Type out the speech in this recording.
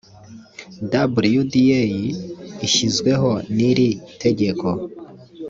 wda ishyizweho n iri tegeko